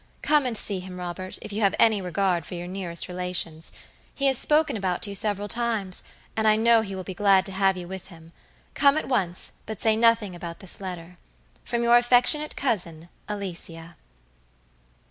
Come and see him, Robert, if you have any regard for your nearest relations. He has spoken about you several times; and I know he will be glad to have you with him. Come at once, but say nothing about this letter. "From your affectionate cousin, ALICIA."